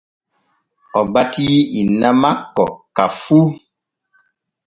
O batii inna makko ka fu.